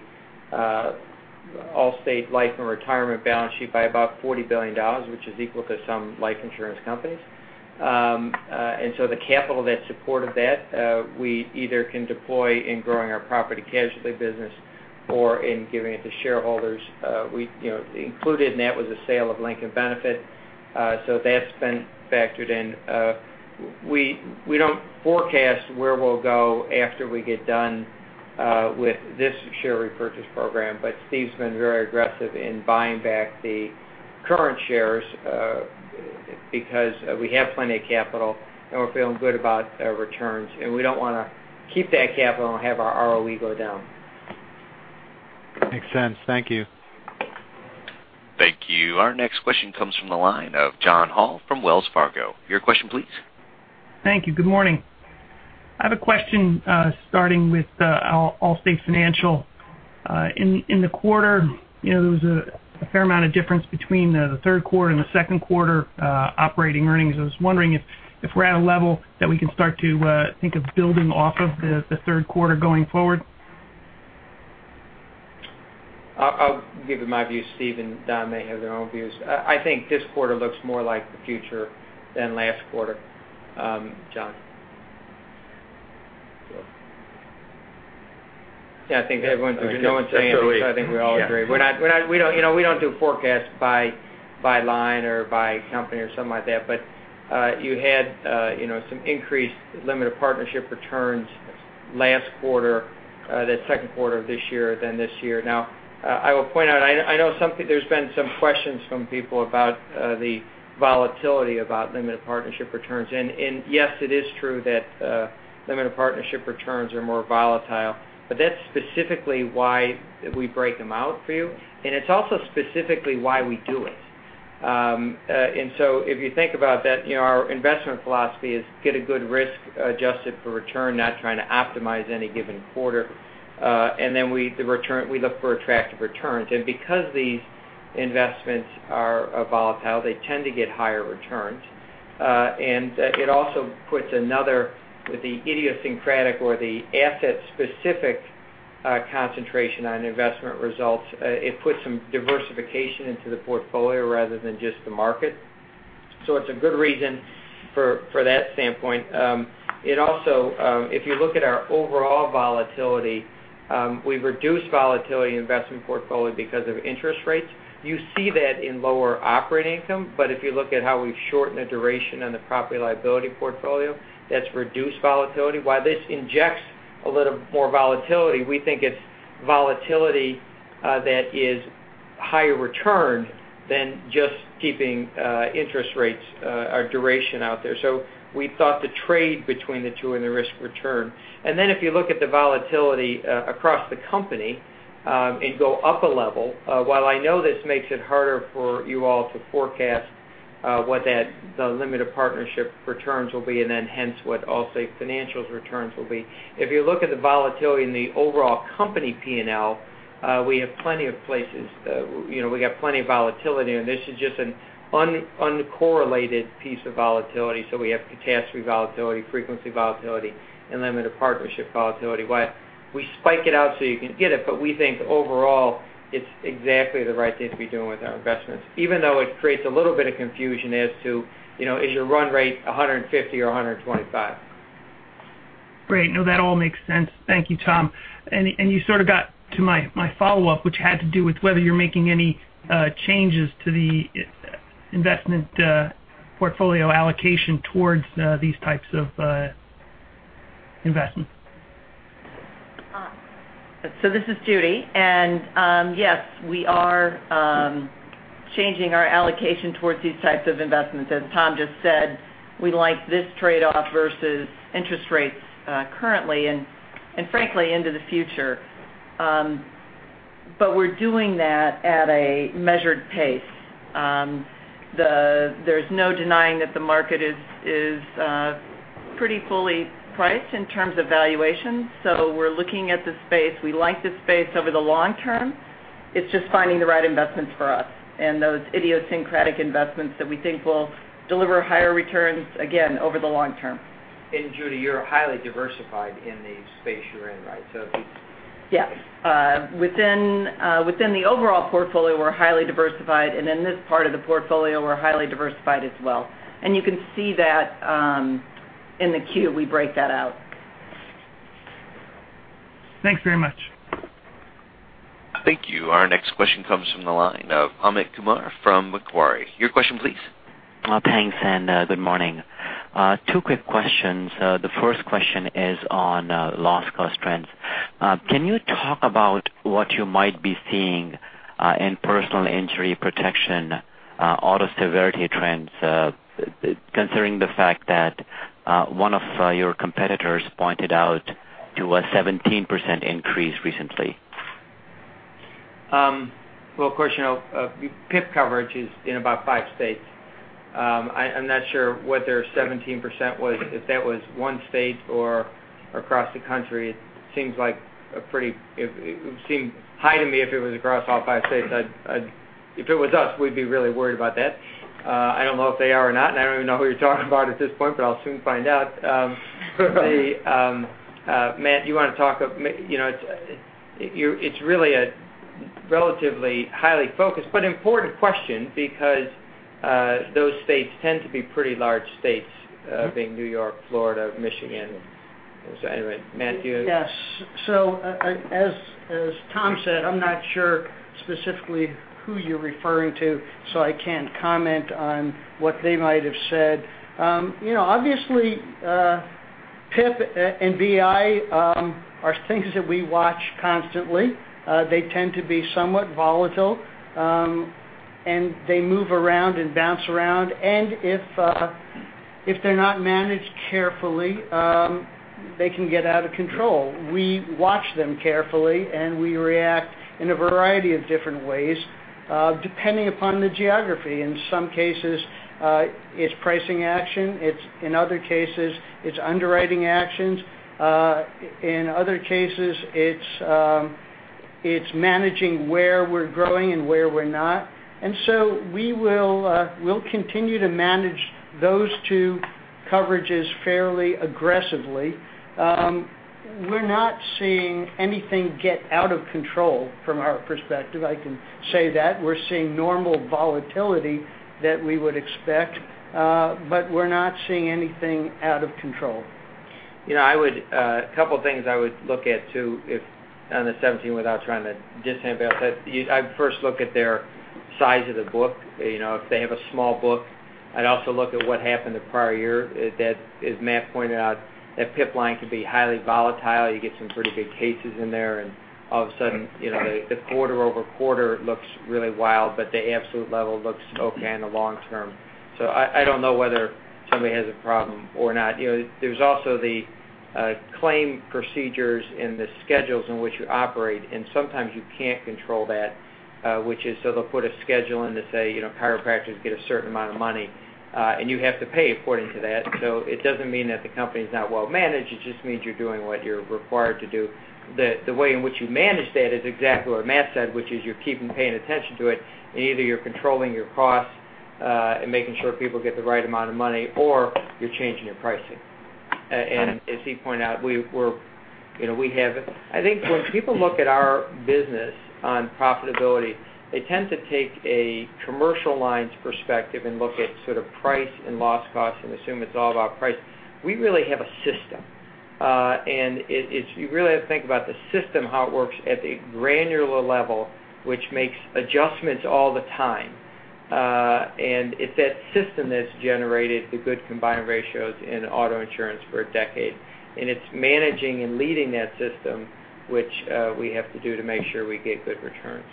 Allstate Life and Retirement balance sheet by about $40 billion, which is equal to some life insurance companies. The capital that supported that, we either can deploy in growing our property casualty business or in giving it to shareholders. Included in that was the sale of Lincoln Benefit. That's been factored in. We don't forecast where we'll go after we get done with this share repurchase program. Steve's been very aggressive in buying back the current shares because we have plenty of capital, and we're feeling good about our returns, and we don't want to keep that capital and have our ROE go down. Makes sense. Thank you. Thank you. Our next question comes from the line of John Hall from Wells Fargo. Your question please? Thank you. Good morning. I have a question starting with Allstate Financial. In the quarter, there was a fair amount of difference between the third quarter and the second quarter operating earnings. I was wondering if we're at a level that we can start to think of building off of the third quarter going forward. I'll give you my views. Steve and Don may have their own views. I think this quarter looks more like the future than last quarter, John. Yeah, I think everyone, there's no one saying anything, so I think we all agree. We don't do forecasts by line or by company or something like that. You had some increased limited partnership returns last quarter, the second quarter of this year than this year. I will point out, I know there's been some questions from people about the volatility about limited partnership returns. Yes, it is true that limited partnership returns are more volatile, but that's specifically why we break them out for you, and it's also specifically why we do it. If you think about that, our investment philosophy is get a good risk adjusted for return, not trying to optimize any given quarter. We look for attractive returns. Because these investments are volatile, they tend to get higher returns. It also puts another, with the idiosyncratic or the asset specific concentration on investment results, it puts some diversification into the portfolio rather than just the market. It's a good reason for that standpoint. It also, if you look at our overall volatility, we've reduced volatility investment portfolio because of interest rates. You see that in lower operating income, if you look at how we've shortened the duration on the property liability portfolio, that's reduced volatility. While this injects a little more volatility, we think it's volatility that is higher return than just keeping interest rates or duration out there. We thought the trade between the two and the risk return. If you look at the volatility across the company and go up a level, while I know this makes it harder for you all to forecast what the limited partnership returns will be, then hence what Allstate Financial's returns will be, if you look at the volatility in the overall company P&L, we have plenty of places. We got plenty of volatility, this is just an uncorrelated piece of volatility. We have catastrophe volatility, frequency volatility, limited partnership volatility. We spike it out so you can get it, we think overall, it's exactly the right thing to be doing with our investments, even though it creates a little bit of confusion as to, is your run rate 150 or 125? Great. No, that all makes sense. Thank you, Tom. You sort of got to my follow-up, which had to do with whether you're making any changes to the investment portfolio allocation towards these types of investments. This is Judy. Yes, we are changing our allocation towards these types of investments. As Tom just said, we like this trade-off versus interest rates currently, and frankly, into the future. We're doing that at a measured pace. There's no denying that the market is pretty fully priced in terms of valuation. We're looking at the space. We like the space over the long term. It's just finding the right investments for us and those idiosyncratic investments that we think will deliver higher returns, again, over the long term. Judy, you're highly diversified in the space you're in, right? If you- Yes. Within the overall portfolio, we're highly diversified, and in this part of the portfolio, we're highly diversified as well. You can see that in the Q, we break that out. Thanks very much. Thank you. Our next question comes from the line of Amit Kumar from Macquarie. Your question please. Thanks. Good morning. Two quick questions. The first question is on loss cost trends. Can you talk about what you might be seeing in personal injury protection auto severity trends, considering the fact that one of your competitors pointed out to a 17% increase recently? Well, of course, PIP coverage is in about five states. I'm not sure what their 17% was, if that was one state or across the country. It would seem high to me if it was across all five states. If it was us, we'd be really worried about that. I don't know if they are or not. I don't even know who you're talking about at this point, but I'll soon find out. Matt? It's really a relatively highly focused but important question because those states tend to be pretty large states, being New York, Florida, Michigan. Anyway, Matthew? Yes. As Tom said, I'm not sure specifically who you're referring to, so I can't comment on what they might have said. Obviously, PIP and BI are things that we watch constantly. They tend to be somewhat volatile, and they move around and bounce around. If they're not managed carefully, they can get out of control. We watch them carefully, and we react in a variety of different ways, depending upon the geography. In some cases, it's pricing action. In other cases, it's underwriting actions. In other cases, it's managing where we're growing and where we're not. We'll continue to manage those two coverages fairly aggressively. We're not seeing anything get out of control from our perspective. I can say that. We're seeing normal volatility that we would expect. We're not seeing anything out of control. A couple things I would look at too on the 17%, without trying to dissemble that, I'd first look at their size of the book, if they have a small book. I'd also look at what happened the prior year. As Matt pointed out, that PIP line could be highly volatile. You get some pretty good cases in there, and all of a sudden, the quarter-over-quarter looks really wild, but the absolute level looks okay in the long term. I don't know whether somebody has a problem or not. There's also the claim procedures and the schedules in which you operate, and sometimes you can't control that, which is, they'll put a schedule in to say chiropractors get a certain amount of money, and you have to pay according to that. It doesn't mean that the company's not well managed. It just means you're doing what you're required to do. The way in which you manage that is exactly what Matt said, which is you're keeping paying attention to it, and either you're controlling your costs and making sure people get the right amount of money, or you're changing your pricing. As he pointed out, I think when people look at our business on profitability, they tend to take a commercial lines perspective and look at sort of price and loss cost and assume it's all about price. We really have a system. You really have to think about the system, how it works at the granular level, which makes adjustments all the time. It's that system that's generated the good combined ratios in auto insurance for a decade. It's managing and leading that system, which we have to do to make sure we get good returns.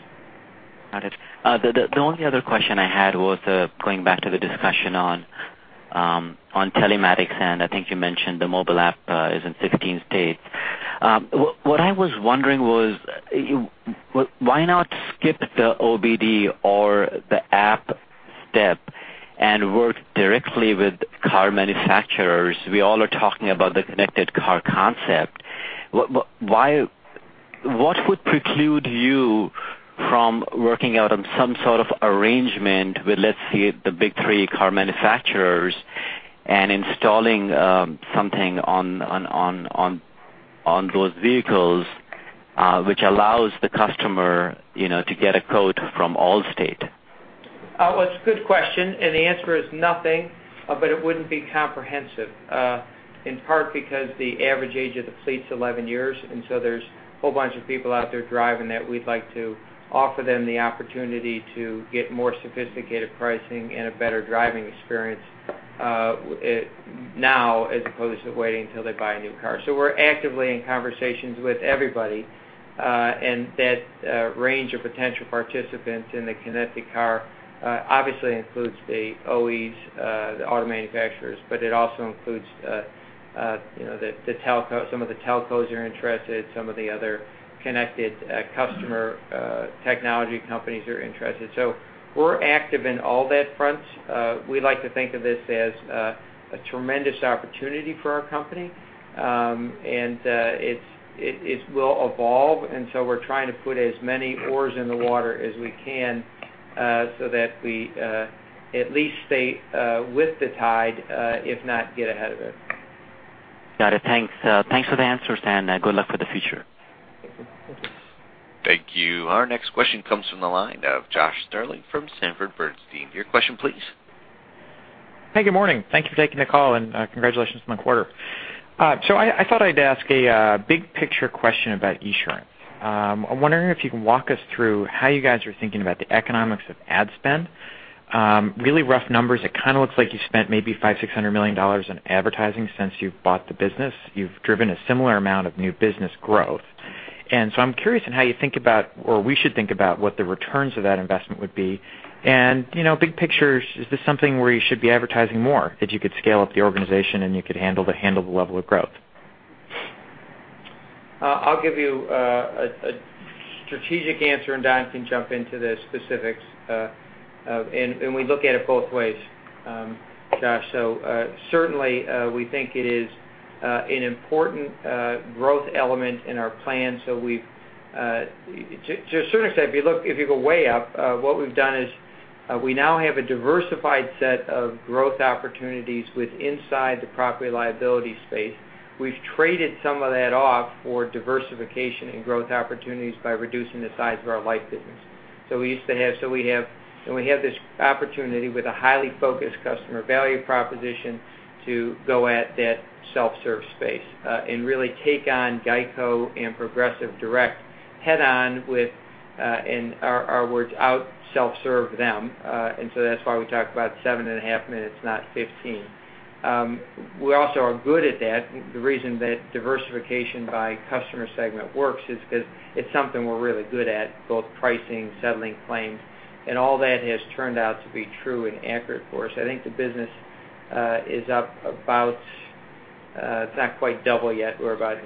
Got it. The only other question I had was going back to the discussion on telematics, I think you mentioned the mobile app is in 15 states. What I was wondering was why not skip the OBD or the app step and work directly with car manufacturers? We all are talking about the connected car concept. What would preclude you from working out on some sort of arrangement with, let's say, the big three car manufacturers and installing something on those vehicles which allows the customer to get a quote from Allstate? Well, it's a good question, and the answer is nothing, but it wouldn't be comprehensive. In part because the average age of the fleet's 11 years, and so there's a whole bunch of people out there driving that we'd like to offer them the opportunity to get more sophisticated pricing and a better driving experience now as opposed to waiting until they buy a new car. We're actively in conversations with everybody, and that range of potential participants in the connected car obviously includes the OEMs, the auto manufacturers, but it also includes some of the telcos are interested, some of the other connected customer technology companies are interested. We're active in all that fronts. We like to think of this as a tremendous opportunity for our company. It will evolve, and so we're trying to put as many oars in the water as we can, so that we at least stay with the tide, if not get ahead of it. Got it. Thanks for the answers and good luck for the future. Thank you. Thank you. Our next question comes from the line of Josh Stirling from Sanford Bernstein. Your question, please. Hey, good morning. Thank you for taking the call and congratulations on the quarter. I thought I'd ask a big picture question about Esurance. I'm wondering if you can walk us through how you guys are thinking about the economics of ad spend. Really rough numbers, it kind of looks like you spent maybe $500 million, $600 million in advertising since you've bought the business. You've driven a similar amount of new business growth. I'm curious in how you think about, or we should think about what the returns of that investment would be. Big picture, is this something where you should be advertising more, that you could scale up the organization and you could handle the level of growth? I'll give you a strategic answer, and Don can jump into the specifics. We look at it both ways, Josh. Certainly, we think it is an important growth element in our plan. To a certain extent, if you go way up, what we've done is we now have a diversified set of growth opportunities with inside the property liability space. We've traded some of that off for diversification and growth opportunities by reducing the size of our life business. We have this opportunity with a highly focused customer value proposition to go at that self-serve space, and really take on GEICO and Progressive Direct head on with, in our words, out self-serve them. That's why we talk about seven and a half minutes, not 15. We also are good at that. The reason that diversification by customer segment works is because it's something we're really good at, both pricing, settling claims, and all that has turned out to be true and accurate for us. I think the business is up about, it's not quite double yet. We're about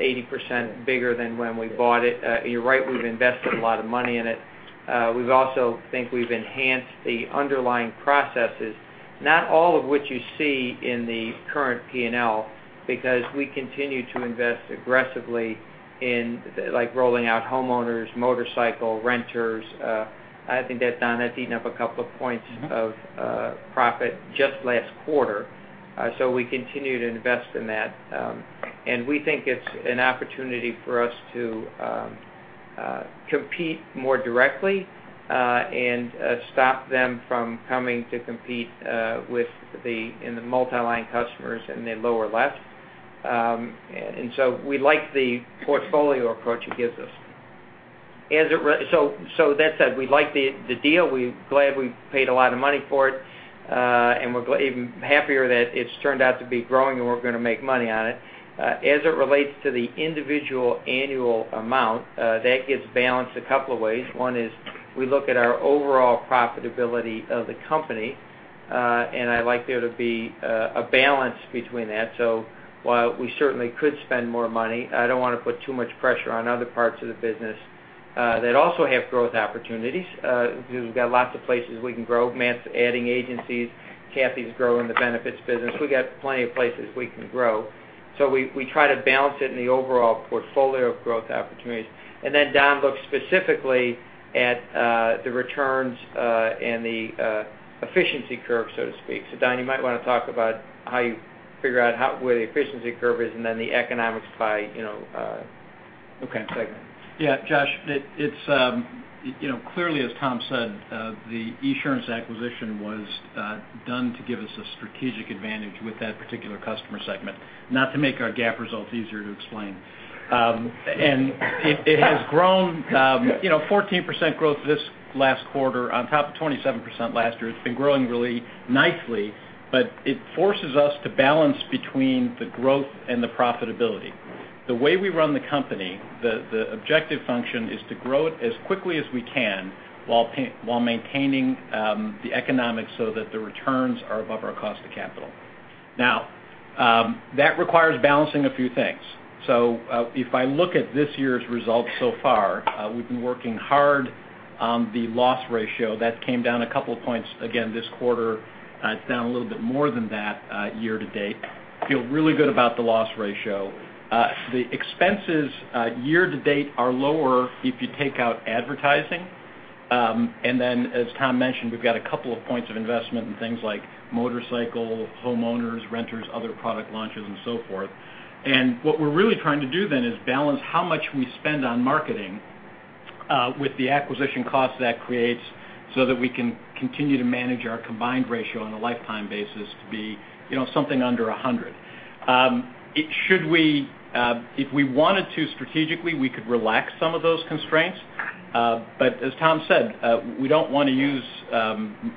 80% bigger than when we bought it. You're right, we've invested a lot of money in it. We also think we've enhanced the underlying processes, not all of which you see in the current P&L because we continue to invest aggressively in rolling out homeowners, motorcycle, renters. I think that, Don, that's eaten up a couple of points of profit just last quarter. We continue to invest in that. We think it's an opportunity for us to compete more directly, and stop them from coming to compete in the multi-line customers in the lower left. We like the portfolio approach it gives us. That said, we like the deal. We're glad we paid a lot of money for it. We're even happier that it's turned out to be growing and we're going to make money on it. As it relates to the individual annual amount, that gets balanced a couple of ways. One is we look at our overall profitability of the company. I like there to be a balance between that. While we certainly could spend more money, I don't want to put too much pressure on other parts of the business that also have growth opportunities. We've got lots of places we can grow. Matt's adding agencies. Kathy's growing the Benefits business. We've got plenty of places we can grow. We try to balance it in the overall portfolio of growth opportunities. Don looks specifically at the returns and the efficiency curve, so to speak. Don, you might want to talk about how you figure out where the efficiency curve is and then the economics by segment. Okay. Yeah, Josh, clearly, as Tom said, the Esurance acquisition was done to give us a strategic advantage with that particular customer segment, not to make our GAAP results easier to explain. It has grown 14% growth this last quarter on top of 27% last year. It's been growing really nicely, it forces us to balance between the growth and the profitability. The way we run the company, the objective function is to grow it as quickly as we can while maintaining the economics so that the returns are above our cost of capital. That requires balancing a few things. If I look at this year's results so far, we've been working hard on the loss ratio. That came down a couple of points again this quarter. It's down a little bit more than that year to date. Feel really good about the loss ratio. The expenses year to date are lower if you take out advertising. As Tom mentioned, we've got a couple of points of investment in things like motorcycle, homeowners, renters, other product launches, and so forth. What we're really trying to do is balance how much we spend on marketing With the acquisition costs that creates so that we can continue to manage our combined ratio on a lifetime basis to be something under 100. If we wanted to strategically, we could relax some of those constraints. As Tom said, we don't want to use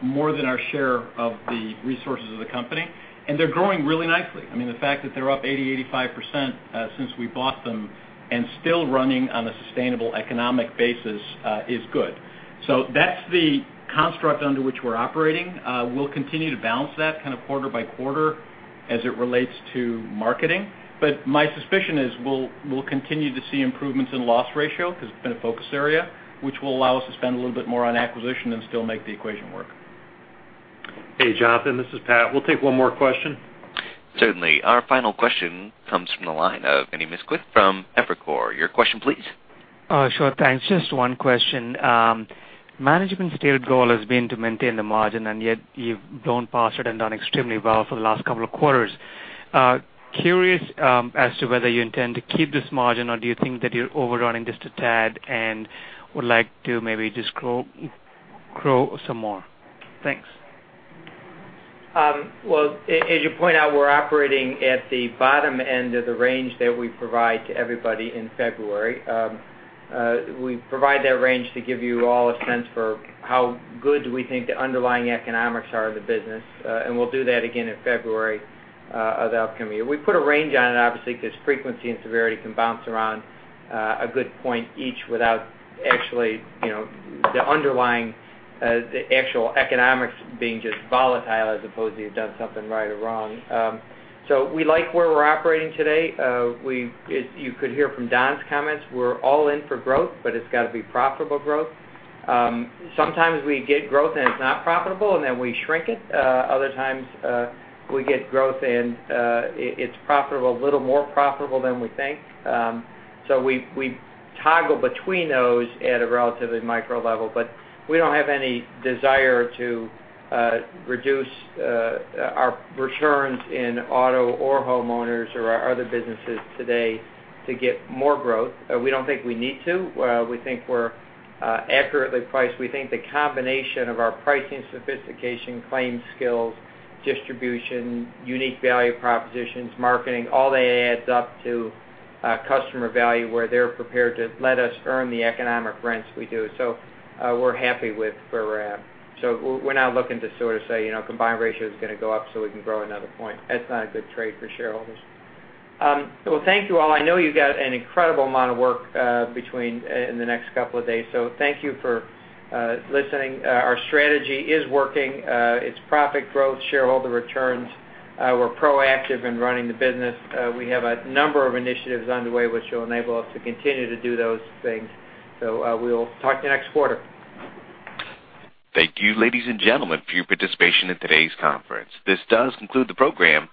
more than our share of the resources of the company, and they're growing really nicely. I mean, the fact that they're up 80, 85% since we bought them and still running on a sustainable economic basis is good. That's the construct under which we're operating. We'll continue to balance that kind of quarter by quarter as it relates to marketing. My suspicion is we'll continue to see improvements in loss ratio because it's been a focus area, which will allow us to spend a little bit more on acquisition and still make the equation work. Hey, Jonathan, this is Pat. We'll take one more question. Certainly. Our final question comes from the line of Vinay Misquith from Evercore. Your question, please. Sure, thanks. Just one question. Management's stated goal has been to maintain the margin, and yet you've done pass it and done extremely well for the last 2 quarters. Curious as to whether you intend to keep this margin, or do you think that you're overrunning just a tad and would like to maybe just grow some more? Thanks. Well, as you point out, we're operating at the bottom end of the range that we provide to everybody in February. We provide that range to give you all a sense for how good we think the underlying economics are of the business, and we'll do that again in February of the upcoming year. We put a range on it, obviously, because frequency and severity can bounce around a good point each without actually the underlying actual economics being just volatile as opposed to you've done something right or wrong. We like where we're operating today. You could hear from Don's comments, we're all in for growth, but it's got to be profitable growth. Sometimes we get growth and it's not profitable, and then we shrink it. Other times, we get growth and it's profitable, a little more profitable than we think. We toggle between those at a relatively micro level, but we don't have any desire to reduce our returns in auto or homeowners or our other businesses today to get more growth. We don't think we need to. We think we're accurately priced. We think the combination of our pricing sophistication, claims skills, distribution, unique value propositions, marketing, all that adds up to customer value where they're prepared to let us earn the economic rents we do. We're happy with where we're at. We're not looking to sort of say, combined ratio is going to go up so we can grow another 1 point. That's not a good trade for shareholders. Well, thank you all. I know you've got an incredible amount of work in the next 2 days, so thank you for listening. Our strategy is working. It's profit growth, shareholder returns. We're proactive in running the business. We have a number of initiatives underway which will enable us to continue to do those things. We'll talk to you next quarter. Thank you, ladies and gentlemen, for your participation in today's conference. This does conclude the program.